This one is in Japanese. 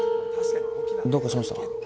どうかしました？